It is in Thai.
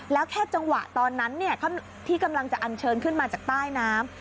แล้วแค่จังหวะตอนนั้นที่กำลังจะอันเชิญขึ้นมาจากใต้น้ำ